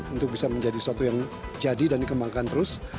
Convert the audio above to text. untuk bisa menjadi sesuatu yang jadi dan dikembangkan terus